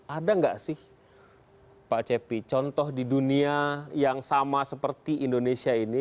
ada nggak sih pak cepi contoh di dunia yang sama seperti indonesia ini